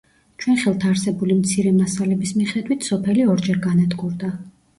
ჩვენ ხელთ არსებული მცირე მასალების მიხედვით, სოფელი ორჯერ განადგურდა.